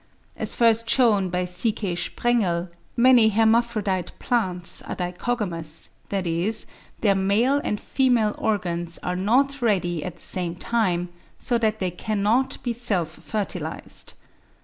As first shewn by C.K. Sprengel, many hermaphrodite plants are dichogamous; that is, their male and female organs are not ready at the same time, so that they cannot be self fertilised.